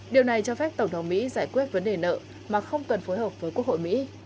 điều này cho phép tổng thống mỹ giải quyết vấn đề nợ mà không cần phối hợp với quốc hội mỹ